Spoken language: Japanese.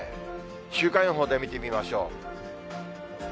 週間予報で見てみましょう。